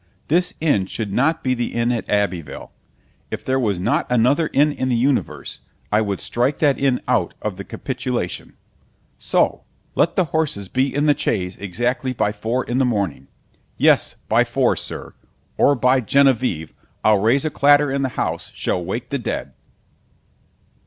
This inn should not be the inn at Abbeville——if there was not another inn in the universe, I would strike that inn out of the capitulation: so Let the horses be in the chaise exactly by four in the morning——Yes, by four, Sir,——or by Genevieve! I'll raise a clatter in the house shall wake the dead.